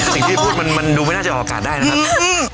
สิ่งที่พูดมันดูไม่น่าจะออกอากาศได้นะครับ